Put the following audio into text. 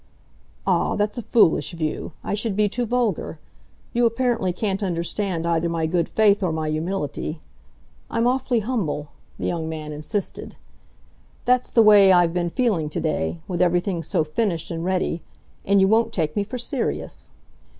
"Ah, that's a foolish view I should be too vulgar. You apparently can't understand either my good faith or my humility. I'm awfully humble," the young man insisted; "that's the way I've been feeling to day, with everything so finished and ready. And you won't take me for serious."